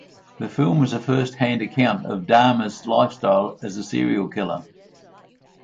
The film is a firsthand account of Dahmer's lifestyle as a serial killer.